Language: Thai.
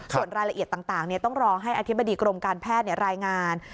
ส่วนรายละเอียดต่างต้องรอให้อธิบดีกรมการแพทย์รายงาน